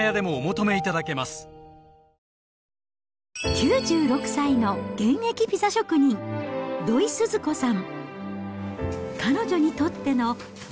９６歳の現役ピザ職人、土井スズ子さん。